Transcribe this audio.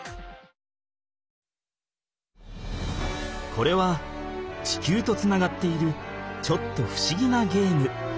これは地球とつながっているちょっとふしぎなゲーム。